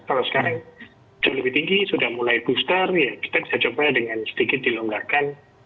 kalau sekarang jauh lebih tinggi sudah mulai booster ya kita bisa coba dengan sedikit dilonggarkan